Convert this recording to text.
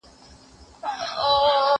زه خواړه نه ورکوم!